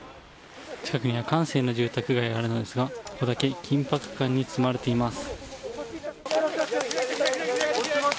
近くには閑静な住宅街があるのですがここだけ緊迫感に包まれています。